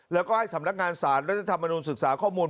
แล้วก็ให้สำนักงานสารรัฐธรรมนุนศึกษาข้อมูล